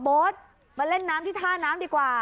โบ๊ทมาเล่นน้ำที่ท่าน้ำดีกว่า